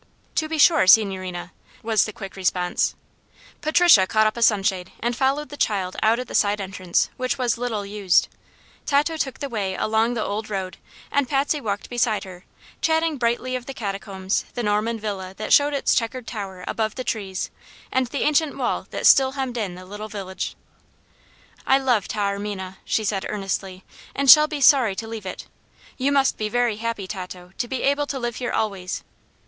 "To be sure, signorina," was the quick response. Patricia caught up a sunshade and followed the child out at the side entrance, which was little used. Tato took the way along the old road, and Patsy walked beside her, chatting brightly of the catacombs, the Norman villa that showed its checkered tower above the trees and the ancient wall that still hemmed in the little village. "I love Taormina," she said, earnestly, "and shall be sorry to leave it. You must be very happy, Tato, to be able to live here always."